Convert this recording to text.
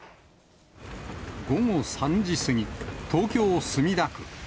午後３時過ぎ、東京・墨田区。